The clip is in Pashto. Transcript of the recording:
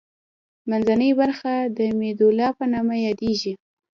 منځنۍ برخه د میدولا په نامه یادیږي.